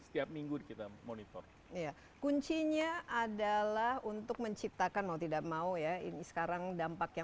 setiap minggu kita monitor iya kuncinya adalah untuk menciptakan mau tidak mau ya ini sekarang dampaknya